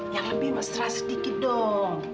yang lebih masrah sedikit dong